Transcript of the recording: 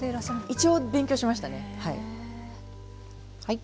一応勉強しましたねはい。